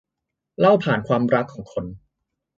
เล่าผ่านความรักของคน